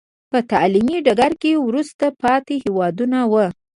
په تعلیمي ډګر کې وروسته پاتې هېوادونه وو.